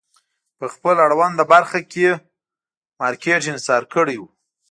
په خپل اړونده برخه کې مارکېټ انحصار کړی و.